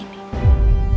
konyol dalam hidup ini